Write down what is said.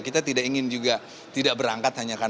kita tidak ingin juga tidak berangkat hanya karena